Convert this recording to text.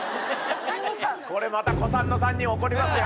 これまた古参の３人、怒りますよ。